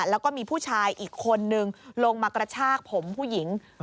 แล้วก็มีผู้ชายอีกคนนึงลงมากระชากผมผู้หญิง